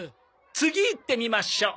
次いってみましょう！